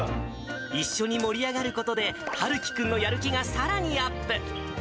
一緒に盛り上がることで、陽生君のやる気がさらにアップ。